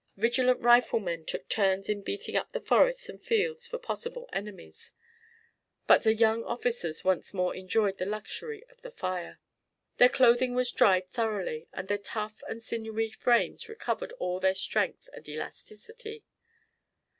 Vigilant riflemen took turns in beating up the forests and fields for possible enemies, but the young officers once more enjoyed the luxury of the fire. Their clothing was dried thoroughly, and their tough and sinewy frames recovered all their strength and elasticity.